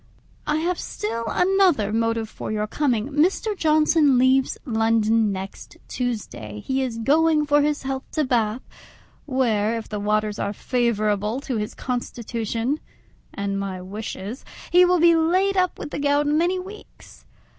I have still another motive for your coming: Mr. Johnson leaves London next Tuesday; he is going for his health to Bath, where, if the waters are favourable to his constitution and my wishes, he will be laid up with the gout many weeks.